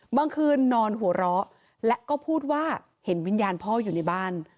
เมื่อคืนนอนหัวเราะและก็พูดว่าเห็นวิญญาณพ่ออยู่ในบ้าน